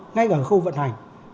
ngay cả khâu vận hành